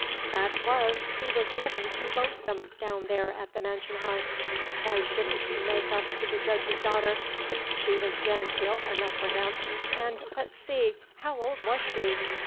Fac' was, he was livin' too lonesome daown there at the mansion haouse. Why shouldn't he make up to the Jedge's daughter? She was genteel enough for him, and let's see, haow old was she?